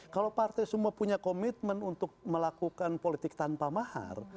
kalau partai semua punya komitmen untuk melakukan politik tanpa mahar